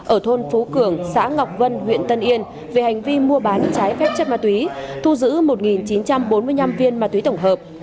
ở thôn phú cường xã ngọc vân huyện tân yên về hành vi mua bán trái phép chất ma túy thu giữ một chín trăm bốn mươi năm viên ma túy tổng hợp